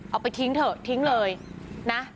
เอาไปทิ้งเถอะทิ้งเลยนะ